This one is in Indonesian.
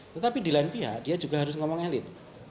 tetapi di lain pihak dia juga harus ngomong elit